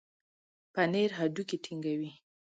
پنېر هډوکي ټينګوي.